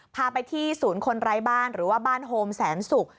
พาไปที่ศูนย์คนไร้บ้านหรือว่าบ้านโฮมแสนศุกร์